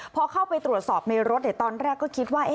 พอเข้าไปตรวจสอบในรถตอนแรกก็คิดว่า